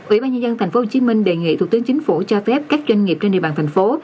ủy ban nhân dân tp hcm đề nghị thủ tướng chính phủ cho phép các doanh nghiệp trên địa bàn thành phố